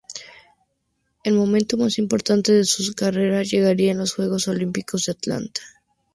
En momento más importante de su carrera llegaría en los Juegos Olímpicos de Atlanta.